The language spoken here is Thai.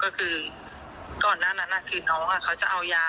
ก็คือก่อนหน้านั้นคือน้องเขาจะเอายา